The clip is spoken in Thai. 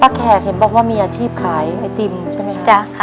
ป้าแขกเห็นบอกว่ามีอาชีพขายไอติมใช่มั้ยคะ